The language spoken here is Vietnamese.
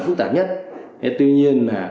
phức tạp nhất tuy nhiên là